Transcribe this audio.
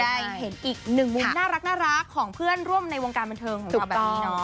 ได้เห็นอีกหนึ่งมุมน่ารักของเพื่อนร่วมในวงการบันเทิงของจุ๊บกี้เนาะ